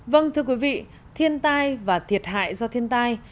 vâng thưa quý vị thiên tai và thiệt hại do thiên tai